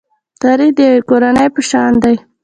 تاریخ د یوې کورنۍ په شان دی.